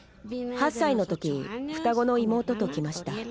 ８歳の時双子の妹と来ました。